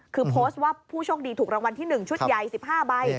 คือโพสต์ว่าผู้โชคดีถูกรางวัลที่๑ชุดใหญ่๑๕ใบ